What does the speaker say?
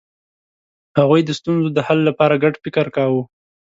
هغوی د ستونزو د حل لپاره ګډ فکر کاوه.